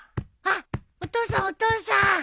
あっお父さんお父さん！